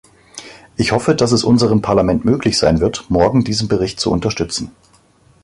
Ich hoffe, dass es unserem Parlament möglich sein wird, morgen diesen Bericht zu unterstützen.